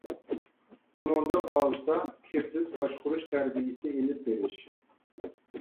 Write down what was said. ئۇنىڭدىن قالسا، كىرىزىس باشقۇرۇش تەربىيەسى ئېلىپ بېرىش.